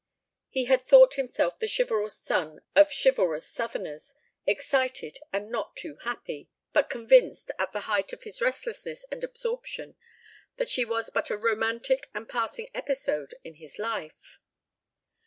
He had thought himself the chivalrous son of chivalrous Southerners, excited and not too happy, but convinced, at the height of his restlessness and absorption, that she was but a romantic and passing episode in his life.